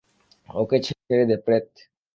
ওকে ছেঁড়ে দে, প্রেত!